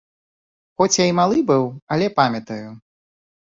Хоць я і малы быў, але памятаю.